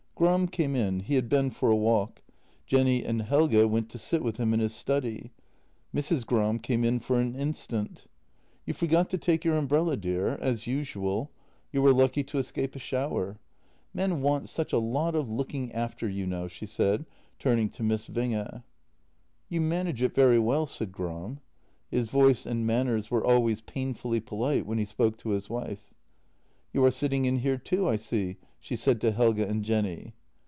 Gram came in; he had been for a walk. Jenny and Helge went to sit with him in his study. Mrs. Gram came in for an instant. " You forgot to take your umbrella, dear — as usual. You JENNY H5 were lucky to escape a shower. Men want such a lot of looking after, you know," she said, turning to Miss Winge. " You manage it very well," said Gram. His voice and man ners were always painfully polite when he spoke to his wife. " You are sitting in here too, I see," she said to Helge and Jenny.